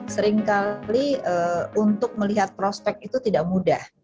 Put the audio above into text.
seringkali untuk melihat prospek itu tidak mudah